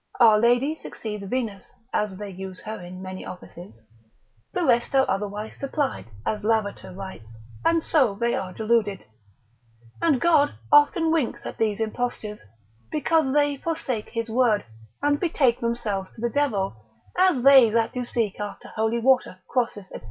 Our lady succeeds Venus (as they use her in many offices), the rest are otherwise supplied, as Lavater writes, and so they are deluded. And God often winks at these impostures, because they forsake his word, and betake themselves to the devil, as they do that seek after holy water, crosses, &c.